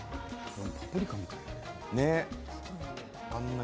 パプリカみたい。